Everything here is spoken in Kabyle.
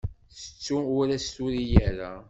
Tettu ur as-turi ara.